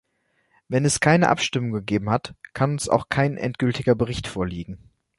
Wenn es keine Abstimmung gegeben hat, kann uns auch kein endgültiger Bericht vorliegen.